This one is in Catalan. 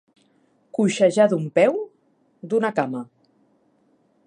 Coixejar d'un peu, d'una cama.